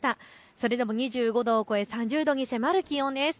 それでも２５度を超え３０度に迫る気温です。